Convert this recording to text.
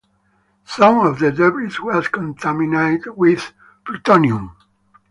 Some of the debris was contaminated with plutonium.